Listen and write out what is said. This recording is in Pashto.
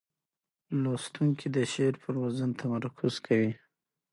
لوستونکي د شعر پر وزن تمرکز کوي.